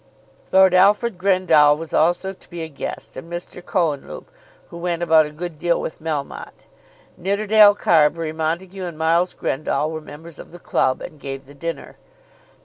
Lord Alfred Grendall was also to be a guest, and Mr. Cohenlupe, who went about a good deal with Melmotte. Nidderdale, Carbury, Montague, and Miles Grendall were members of the club, and gave the dinner.